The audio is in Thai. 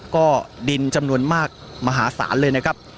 ก็ดินจำนวนมากมหาศาลเลยนะครับ